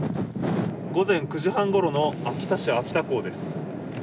午前９時半ごろの秋田市秋田港です。